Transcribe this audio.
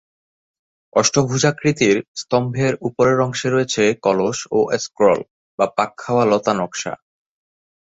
অষ্টভুজাকৃতির স্তম্ভের উপরের অংশে রয়েছে কলস ও স্ক্রল বা পাক-খাওয়া লতা নক্শা।